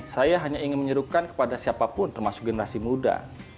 saya hanya ingin menyuruhkan kepada siapapun termasuk generasi muda